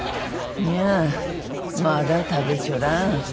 いやまだ食べちょらん。